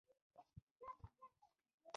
هر عمل ته نیت وزن ورکوي.